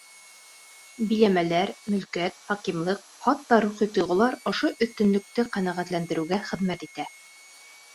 Биләмәләр, мөлкәт, хакимлыҡ, хатта рухи тойғолар ошо өҫтөнлөктө ҡәнәғәтләндереүгә хеҙмәт итә.